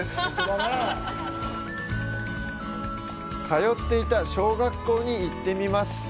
通っていた小学校に行ってみます。